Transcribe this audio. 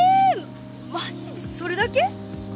マジでそれだけ？